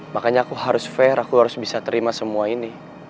makanya aku harus fair aku harus bisa terima semua ini